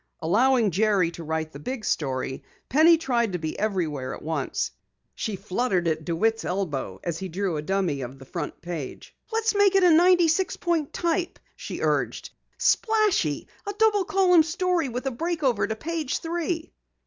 Allowing Jerry to write the big story, Penny tried to be everywhere at once. She fluttered at DeWitt's elbow as he drew a dummy of the front page. "Let's make it 96 point type," she urged. "Splashy! A double column story with a break over to page three."